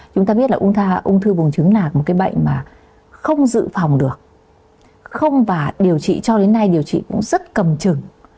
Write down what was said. chúng ta biết là ung thư buồng trứng là một bệnh không dự phòng được không và điều trị cho đến nay cũng rất cầm chừng